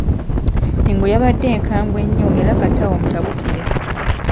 Engo yabadde nkambwe nnyo era kata omutabukire.